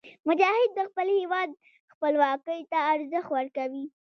مجاهد د خپل هېواد خپلواکۍ ته ارزښت ورکوي.